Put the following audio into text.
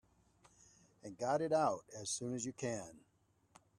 And got it out as soon as you can.